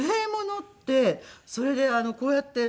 それでこうやって。